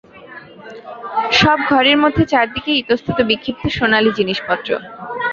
সব ঘরের মধ্যে চারদিকেই ইতস্তত বিক্ষিপ্ত সোনালি জিনিসপত্র।